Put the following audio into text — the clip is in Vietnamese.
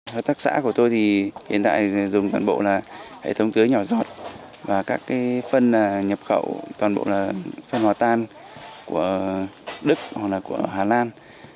hợp tác xã của tôi thì hiện tại dùng toàn bộ là hệ thống tưới nhỏ giọt và các phân nhập khẩu toàn bộ là phân hòa tan của đức hoặc là của hà lan